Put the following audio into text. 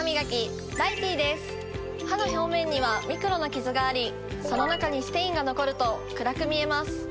歯の表面にはミクロなキズがありその中にステインが残ると暗く見えます。